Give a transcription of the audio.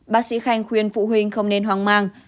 bác sĩ khanh khuyên phụ huynh không nên hoang mang